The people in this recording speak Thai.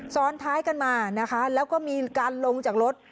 ซ้อนท้ายกันมานะคะแล้วก็มีการลงจากรถ